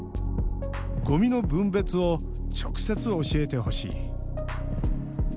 「ゴミの分別を直接、教えてほしい」